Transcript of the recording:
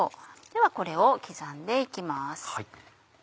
ではこれを刻んで行きます。